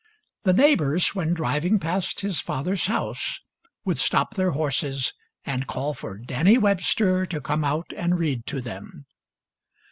The neighbors, when driving past his father's house, would stop their horses and call for Dannie Webster to come out and read to them.